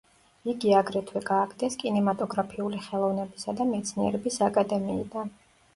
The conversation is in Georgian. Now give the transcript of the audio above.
იგი აგრეთვე გააგდეს კინემატოგრაფიული ხელოვნებისა და მეცნიერების აკადემიიდან.